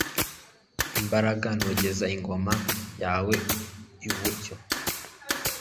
imbaraga, nogeze ingoma yawe iburyo